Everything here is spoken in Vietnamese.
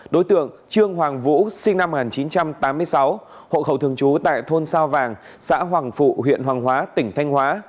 đối tượng trương hoàng vũ sinh năm một nghìn chín trăm tám mươi sáu hộ khẩu thường trú tại thôn sao vàng xã hoàng phụ huyện hoàng hóa tỉnh thanh hóa